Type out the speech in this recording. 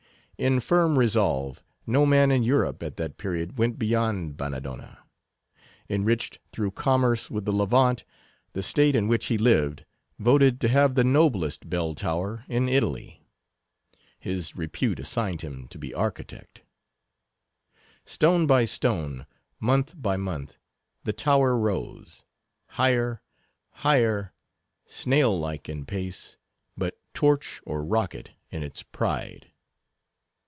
In firm resolve, no man in Europe at that period went beyond Bannadonna. Enriched through commerce with the Levant, the state in which he lived voted to have the noblest Bell Tower in Italy. His repute assigned him to be architect. Stone by stone, month by month, the tower rose. Higher, higher; snail like in pace, but torch or rocket in its pride.